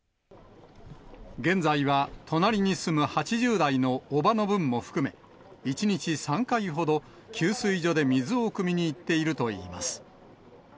現在は隣に住む８０代のおばの分も含め、１日３回ほど、給水所で水をくみに行っているといいます。